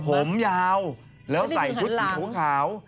ผมยาวแล้วใส่กุ๊ดผิวขาว